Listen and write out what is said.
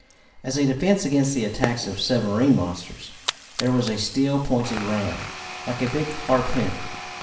As a defense against the attacks of submarine monsters there was a steel, pointed ram, like a big harpoon.